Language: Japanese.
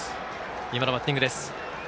今のバッティングです。